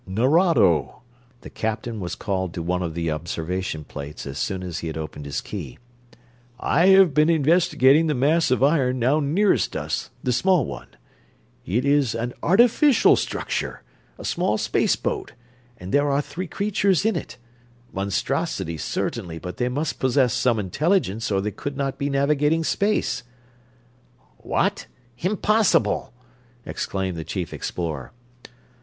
"Nerado!" The captain was called to one of the observation plates as soon as he had opened his key. "I have been investigating the mass of iron now nearest us, the small one. It is an artificial structure, a small space boat, and there are three creatures in it monstrosities certainly, but they must possess some intelligence or they could not be navigating space." "What? Impossible!" exclaimed the chief explorer.